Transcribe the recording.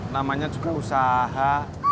namanya cukup usaha